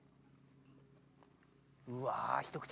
うわ一口。